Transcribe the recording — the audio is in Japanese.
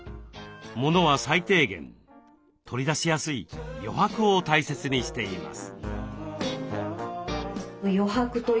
モノは最低限取り出しやすい「余白」を大切にしています。